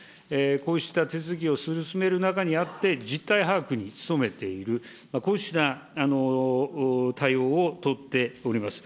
こうした手続きを進める中にあって、実態把握に努めている、こうした対応を取っております。